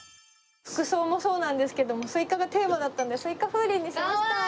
服装もそうなんですけどもスイカがテーマだったんでスイカ風鈴にしました！